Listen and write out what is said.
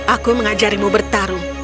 aku mengajarimu bertarung